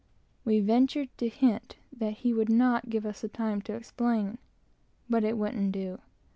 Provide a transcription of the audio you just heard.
We ventured to hint that he would not give us time to explain; but it wouldn't do.